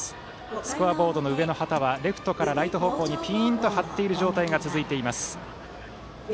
スコアボードの上の旗はレフトからライト方向にピーンと張った状態が続いています。